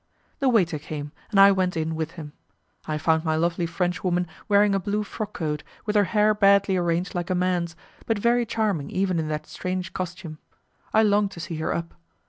The waiter came, and I went in with him. I found my lovely Frenchwoman wearing a blue frock coat, with her hair badly arranged like a man's, but very charming even in that strange costume. I longed to see her up.